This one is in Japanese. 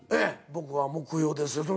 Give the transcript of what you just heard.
僕は目標です。